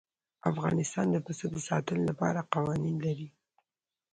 افغانستان د پسه د ساتنې لپاره قوانین لري.